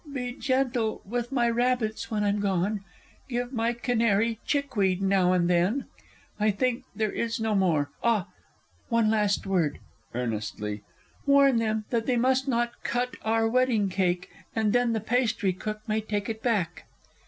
_) Be gentle with my rabbits when I'm gone; Give my canary chickweed now and then. ... I think there is no more ah, one last word (Earnestly) Warn them they must not cut our wedding cake, And then the pastrycook may take it back!